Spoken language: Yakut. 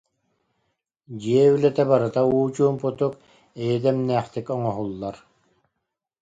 Дьиэ үлэтэ барыта уу чуумпутук, эйэ дэмнээхтик оҥоһуллар